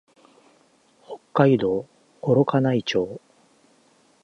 北海道幌加内町